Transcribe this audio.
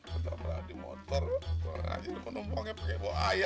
sekarang abah abah berdoa buat kesembuhan abah ya